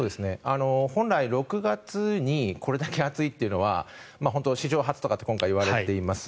本来、６月にこれだけ暑いというのは本当は史上初とかって今回言われています。